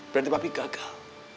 berarti papi gagal